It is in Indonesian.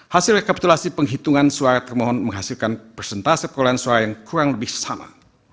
hasil rekapitulasi penghitungan suara termohon menghasilkan persentase perolehan suara yang kurang lebih sama